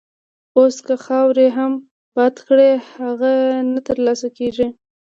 اوس که خاورې هم باد کړې، څه نه تر لاسه کېږي.